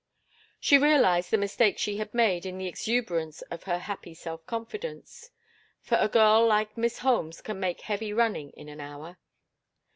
She realized the mistake she had made in the exuberance of her happy self confidence; for a girl like Miss Holmes can make heavy running in an hour.